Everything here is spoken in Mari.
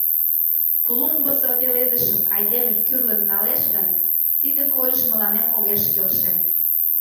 Клумбысо пеледышым айдеме кӱрлын налеш гын, тиде койыш мыланем огеш келше.